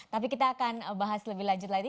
tapi kita akan bahas lebih lanjut lagi